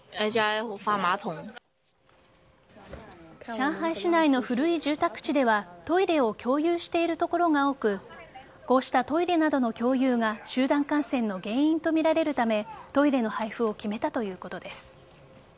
上海市内の古い住宅地ではトイレを共有している所が多くこうしたトイレなどの共有が集団感染の原因とみられるためトイレの配布を決めたということです。